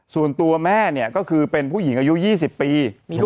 ส่วนตัวแม่เนี่ยก็คือเป็นผู้หญิงอายุ๒๐ปี